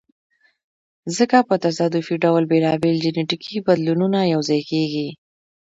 ځکه په تصادفي ډول بېلابېل جینټیکي بدلونونه یو ځای کیږي.